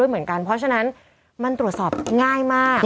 เพราะฉะนั้นมันตรวจสอบง่ายมาก